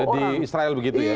di israel begitu ya